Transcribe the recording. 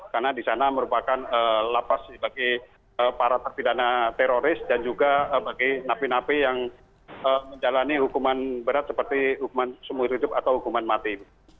karena di sana merupakan lapas bagi para terpidana teroris dan juga bagi napi napi yang menjalani hukuman berat seperti hukuman sembuh hidup atau hukuman mati